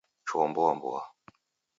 Choo mboa mboa